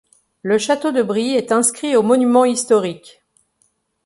Le château de Brie est inscrit aux monuments historiques.